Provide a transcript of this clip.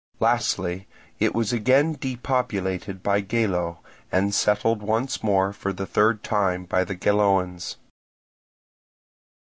Lastly, it was again depopulated by Gelo, and settled once more for the third time by the Geloans.